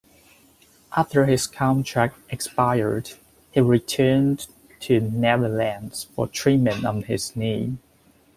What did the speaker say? After his contract expired, he returned to the Netherlands for treatment on his knee.